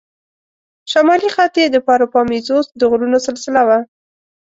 شمالي خط یې د پاروپامیزوس د غرونو سلسله وه.